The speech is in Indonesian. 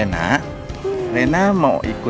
opah juga mau